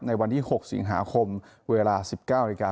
วันที่๖สิงหาคมเวลา๑๙นาฬิกา